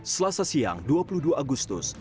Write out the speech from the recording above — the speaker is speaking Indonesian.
selasa siang dua puluh dua agustus